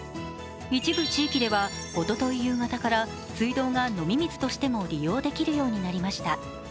一部地域ではおととい夕方から水道が飲み水としても利用できるようになりました。